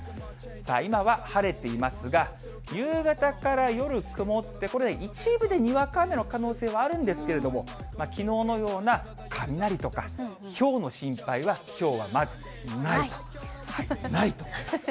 今は晴れていますが、夕方から夜、曇って、これね、一部でにわか雨の可能性はあるんですけれども、きのうのような雷とか、ひょうの心配はきょうはまずないと、ないと思います。